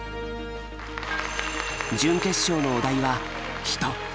準決勝のお題は「人」。